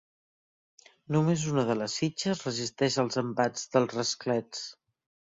Només una de les fitxes resisteix els embats dels rasclets.